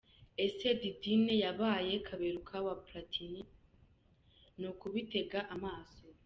Ese Diddyne yabaye Kaberuka wa Platini?? Ni ukubitega amaso!.